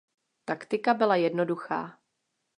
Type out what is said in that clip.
Taktika byla jednoduchá.